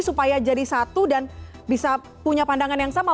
supaya jadi satu dan bisa punya pandangan yang sama